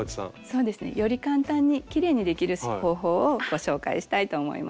そうですねより簡単にきれいにできる方法をご紹介したいと思います。